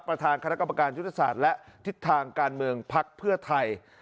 ประธานคณะกรรมการยุทธศาสตร์และทิศทางการเมืองภักดิ์เพื่อไทย